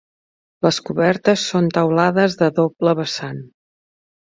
Les cobertes són teulades de doble vessant.